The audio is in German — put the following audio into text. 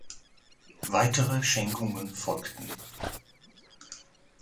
Weitere Schenkungen folgten.